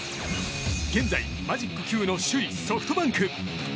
現在、マジック９の首位ソフトバンク。